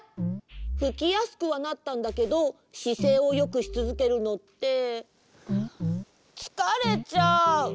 ふきやすくはなったんだけどしせいをよくしつづけるのってつかれちゃう！